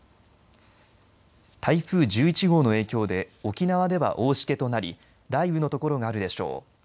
台風１１号の影響で沖縄では大しけとなり雷雨のところがあるでしょう。